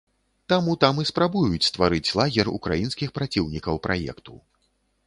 Таму там і спрабуюць стварыць лагер украінскіх праціўнікаў праекту.